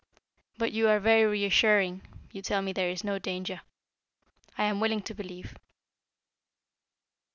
But you are very reassuring, you tell me there is no danger. I am willing to believe."